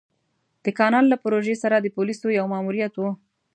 د کانال له پروژې سره د پوليسو يو ماموريت و.